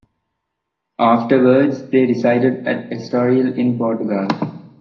Afterwards, they resided at Estoril, in Portugal.